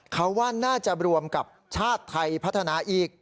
เขาว่าน่าจะรวมกับชาติไทยพัฒนาอีก